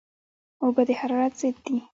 اوبه د حرارت ضد دي